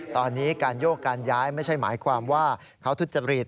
ตอนนี้การโยกการย้ายไม่ใช่หมายความว่าเขาทุจริต